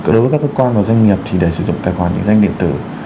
đối với các cơ quan và doanh nghiệp thì để sử dụng tài khoản định danh điện tử